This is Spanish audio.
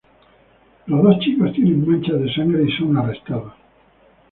Los dos chicos tienen manchas de sangre y son arrestados.